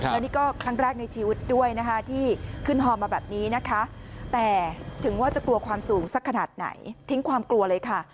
แล้วนี่ก็ครั้งแรกในชีวิตด้วยนะคะที่ขึ้นฮอมาแบบนี้นะคะแต่ถึงว่าจะกลัวความสูงสักขนาดไหนทิ้งความกลัวเลยค่ะ